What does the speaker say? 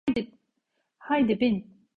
Haydi bin.